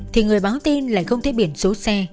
thì người báo tin lại không thấy biển số xe